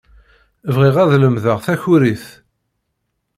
Bɣiɣ ad lemdeɣ takurit.